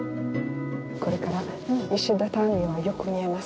これから石畳がよく見えます。